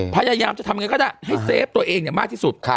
พยายามจะทำยังไงก็ได้ให้เซฟตัวเองมากที่สุด